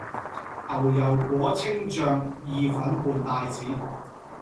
牛油果青醬意粉伴帶子